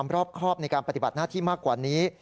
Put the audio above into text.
รอบครอบในการปฏิบัติหน้าที่มากกว่านี้